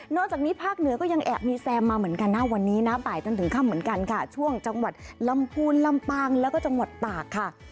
จากนี้ภาคเหนือก็ยังแอบมีแซมมาเหมือนกันนะวันนี้นะบ่ายจนถึงค่ำเหมือนกันค่ะช่วงจังหวัดลำพูนลำปางแล้วก็จังหวัดตากค่ะ